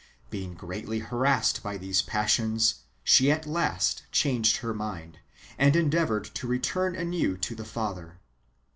Being greatly harassed by these passions, she at last changed her mind, and endeavoured to return anew to the Father.